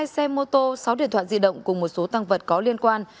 một mươi hai xe mô tô sáu điện thoại di động cùng một số tăng vật có liên quan